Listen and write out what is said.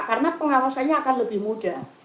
karena pengawasannya akan lebih mudah